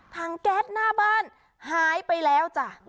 แก๊สหน้าบ้านหายไปแล้วจ้ะ